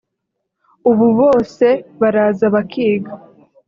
ubu bose baraza bakiga